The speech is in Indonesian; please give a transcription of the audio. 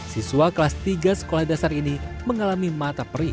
siswa kelas tiga sekolah dasar ini mengalami mata perih